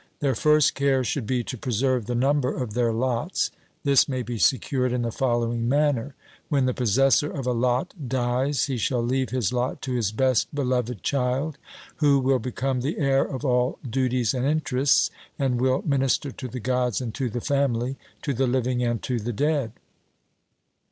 Their first care should be to preserve the number of their lots. This may be secured in the following manner: when the possessor of a lot dies, he shall leave his lot to his best beloved child, who will become the heir of all duties and interests, and will minister to the Gods and to the family, to the living and to the dead.